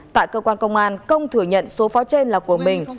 tại cơ quan công an công thừa nhận số pháo trên là của mình